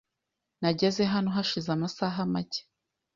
Nageze hano hashize amasaha make .